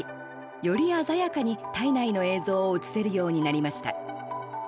より鮮やかに体内の映像を映せるようになりました。